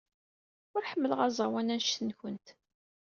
Ur ḥemmleɣ aẓawan anect-nwent.